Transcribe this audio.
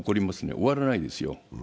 終わらないですよ。